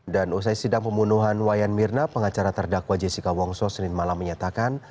dan usai sidang pembunuhan wayan mirna pengacara terdakwa jessica wongso senin malam menyatakan